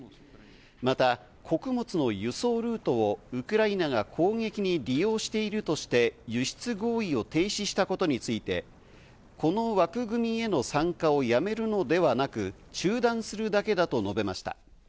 また、穀物の輸送ルートをウクライナが攻撃に利用しているとして、輸出合意を停止したことについて、この枠組みへの参加をやめるのではなく、中断するだけだと述べました。